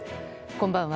こんばんは。